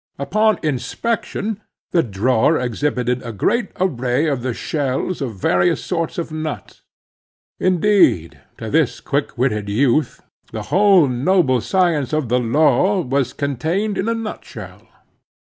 Upon inspection, the drawer exhibited a great array of the shells of various sorts of nuts. Indeed, to this quick witted youth the whole noble science of the law was contained in a nut shell.